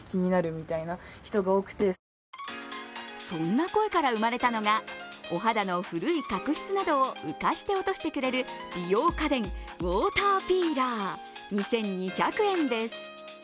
そんな声から生まれたのが、お肌の古い角質などを浮かして落としてくれる美容家電ウォーターピーラー、２２００円です。